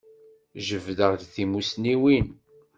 Jebdeɣ-d timussniwin.